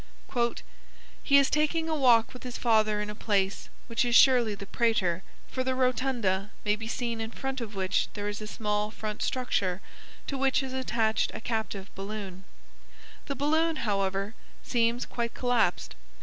"He is taking a walk with his father in a place which is surely the Prater, for the Rotunda may be seen in front of which there is a small front structure to which is attached a captive balloon; the balloon, however, seems quite collapsed.